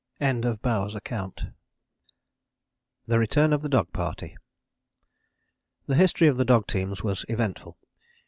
(End of Bowers' Account.) THE RETURN OF THE DOG PARTY The history of the dog teams was eventful.